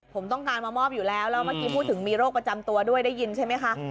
ผมต้องการมามอบอยู่แล้วแล้วเมื่อกี้พูดถึงมีโรคประจำตัวด้วยได้ยินใช่ไหมคะ